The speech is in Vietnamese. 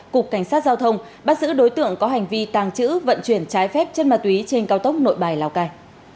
cục cảnh sát giao thông bắt giữ đối tượng có hành vi tàng trữ vận chuyển trái phép chất ma túy trên cao tốc nội bài lào cai